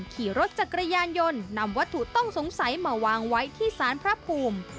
ขี่รถจักรยานยนต์นำวัตถุต้องสงสัยมาวางไว้ที่สารพระภูมิ